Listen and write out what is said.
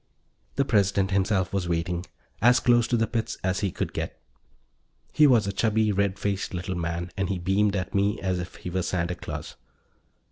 The President himself was waiting, as close to the pits as he could get. He was a chubby, red faced little man, and he beamed at me as if he were Santa Claus.